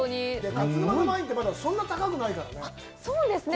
勝沼のワインって、そんなに高くないからね。